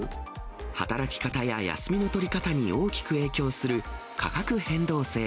働き方や休みの取り方に大きく影響する価格変動制。